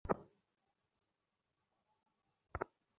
তিনি ট্রান্সমিটিং তড়িৎশক্তি এবং তড়িৎ ট্রান্সমিটার এর অনুমোদন লাভ করেন।